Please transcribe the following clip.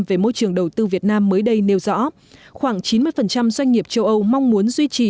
về môi trường đầu tư việt nam mới đây nêu rõ khoảng chín mươi doanh nghiệp châu âu mong muốn duy trì